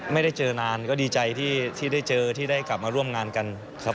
ไม่ได้เจอนานก็ดีใจที่ได้เจอที่ได้กลับมาร่วมงานกันครับ